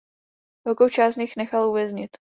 Velkou část z nich nechal uvěznit.